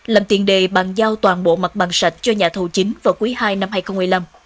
làm tiền đề bằng giao toàn bộ mặt bằng sạch cho nhà thầu chính vào cuối hai năm hai nghìn một mươi năm